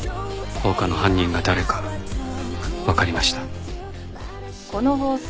放火の犯人が誰かわかりました。